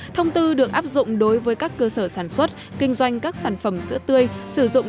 thông tư được áp dụng đối với các cơ sở sản xuất kinh doanh các sản phẩm sữa tươi sử dụng